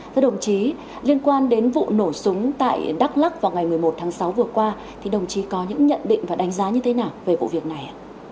thưa đồng chí liên quan đến vụ nổ súng tại đắk lắc vào ngày một mươi một tháng sáu vừa qua thì đồng chí có những nhận định và đánh giá như thế nào về vụ việc này ạ